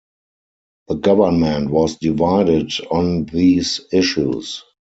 The government was divided on these issues.